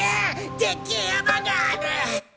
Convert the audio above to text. でっけえ山がある！